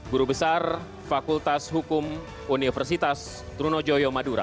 guru besar fakultas hukum universitas trunojoyo madura